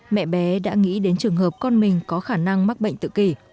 mẹ bé đã nghĩ đến trường hợp con mình có khả năng mắc bệnh tự kỷ